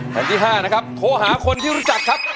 แผ่นที่๕นะครับโทรหาคนที่รู้จักครับ